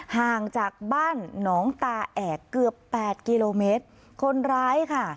ห่างจากบ้านหนองตาแอกเกือบแปดกิโลเมตรคนร้ายค่ะ